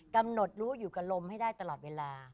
กำหนดรู้อยู่กับลมให้ได้ตลอดเวลา